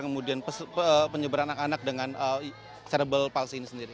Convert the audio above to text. kemudian penyebaran anak anak dengan serebel palsi ini sendiri